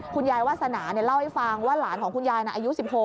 วาสนาเล่าให้ฟังว่าหลานของคุณยายอายุ๑๖